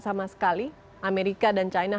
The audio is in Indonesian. sama sekali amerika dan china